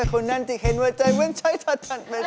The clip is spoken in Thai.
คนนั้นที่เห็นเวิร์ดใจเวิร์นชัยทัดไปด้วย